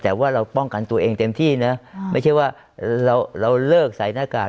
แต่ว่าเราป้องกันตัวเองเต็มที่นะไม่ใช่ว่าเราเลิกใส่หน้ากาก